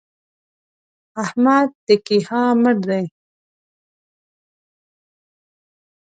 احمد د کيها مړ دی!